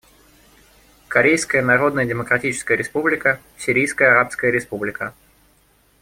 Корейская Народно-Демократическая Республика, Сирийская Арабская Республика.